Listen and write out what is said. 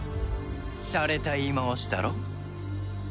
しゃれた言い回しだろ？